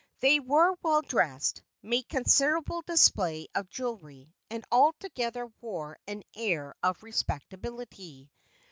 They were well dressed, made considerable display of jewelry, and altogether wore an air of respectability.